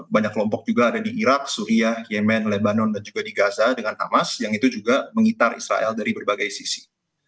banyak kelompok juga ada di irak suria yemen lebanon dan juga di gaza dengan hamas yang itu juga mengitar israel dari berbagai sisi